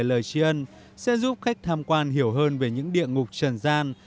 lời tri ân sẽ giúp khách tham quan hiểu hơn về những địa ngục trần gian